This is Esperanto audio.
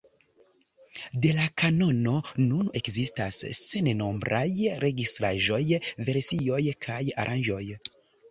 De la kanono nun ekzistas sennombraj registraĵoj, versioj kaj aranĝoj.